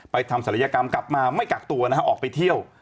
ทำศัลยกรรมกลับมาไม่กักตัวนะฮะออกไปเที่ยว